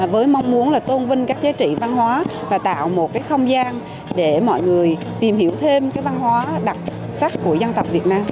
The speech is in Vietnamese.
với mong muốn là tôn vinh các giá trị văn hóa và tạo một cái không gian để mọi người tìm hiểu thêm cái văn hóa đặc sắc của dân tộc việt nam